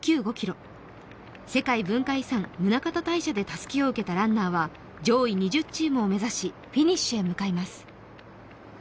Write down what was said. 世界文化遺産・宗像大社でたすきを受けたランナーは上位２０チームを目指しフィニッシュへ向かいます。